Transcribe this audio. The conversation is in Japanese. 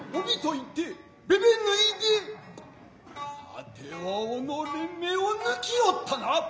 さては己れ目を抜き居ったな。